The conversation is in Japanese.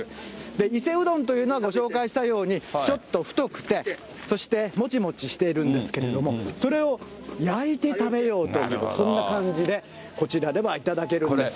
伊勢うどんというのはご紹介したように、ちょっと太くて、そしてもちもちしているんですけれども、それを焼いて食べようという、そんな感じで、こちらでは頂けるんです。